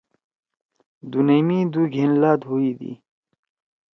دُنئی می دُو گھین لات ہوئی دی۔